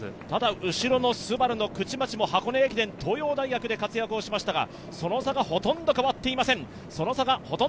ただ、後ろのＳＵＢＡＲＵの口町も箱根駅伝、東洋大学で活躍しましたが、その差がほとんど変わっていません。